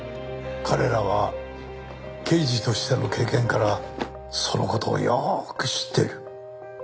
彼らは刑事としての経験からその事をよく知っている。